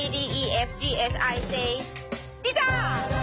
ดีจ้า